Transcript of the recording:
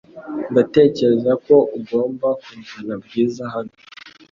Ndatekereza ko ugomba kuzana Bwiza hano .